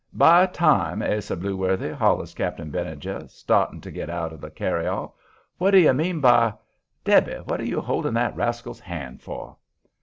"By time, Ase Blueworthy!" hollers Cap'n Benijah, starting to get out of the carryall, "what do you mean by Debby, what are you holding that rascal's hand for?"